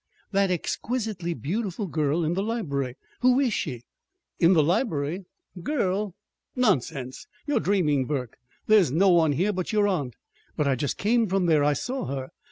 _" "That exquisitely beautiful girl in the library. Who is she?" "In the library? Girl? Nonsense! You're dreaming, Burke. There's no one here but your aunt." "But I just came from there. I saw her.